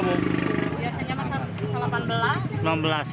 biasanya masak delapan belas